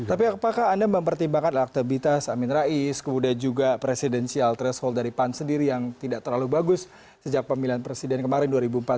tapi apakah anda mempertimbangkan aktivitas amin rais kemudian juga presidensial threshold dari pan sendiri yang tidak terlalu bagus sejak pemilihan presiden kemarin dua ribu empat belas